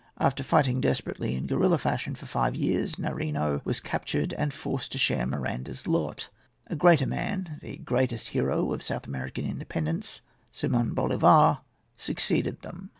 After fighting desperately, in guerilla fashion, for five years, Narinno was captured and forced to share Miranda's lot. A greater man, the greatest hero of South American independence, Simon Bolivar, succeeded them.